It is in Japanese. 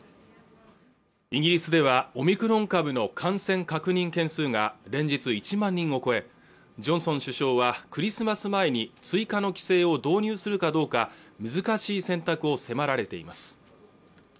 イギリスではオミクロン株の感染確認件数が連日１万人を超えジョンソン首相はクリスマス前に追加の規制を導入するかどうか難しい選択を迫られています